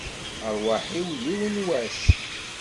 Rrwaḥ-iw, yiwen n wass!